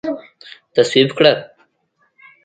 تصویب کړه